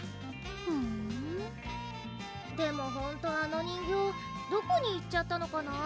ふーんでもほんとあの人形どこに行っちゃったのかな？